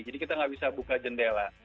jadi kita tidak bisa buka jendela